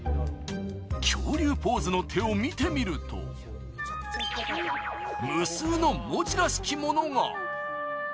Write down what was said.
恐竜ポーズの手を見てみると、無数の文字らしきものが！